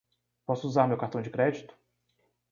Posso usar meu cartão de crédito?